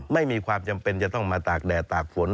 ไม่มีความจำเป็นจะต้องมาตากแดดตากฝน